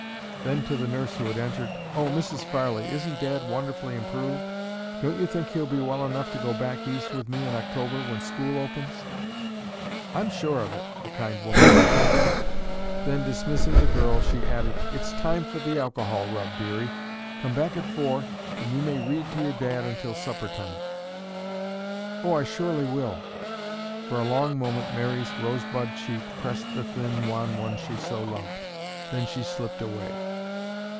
Then, to the nurse who had entered, "Oh, Mrs. Farley, isn't Dad wonderfully improved? Don't you think he'll be well enough to go back East with me in October when school opens?" "I'm sure of it!" the kind woman replied, then, dismissing the girl, she added, "It's time for the alcohol rub, dearie. Come back at four and you may read to your dad until supper time." "Oh, I surely will." For a long moment Mary's rosebud cheek pressed the thin wan one she so loved, then she slipped away.